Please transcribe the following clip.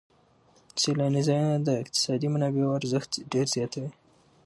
سیلاني ځایونه د اقتصادي منابعو ارزښت ډېر زیاتوي.